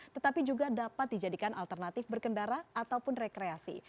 tetapi juga dapat dijadikan alternatif berkendara ataupun rekreasi